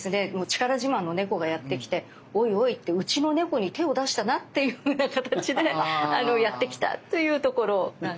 力自慢の猫がやって来ておいおいってうちの猫に手を出したなっていうふうな形でやって来たというところなんですね。